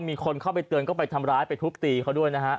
มีคนเข้าไปเตือนก็ไปทำร้ายไปทุบตีเขาด้วยนะฮะ